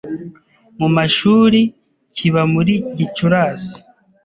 Mu mashuri kiba muri Gicurasi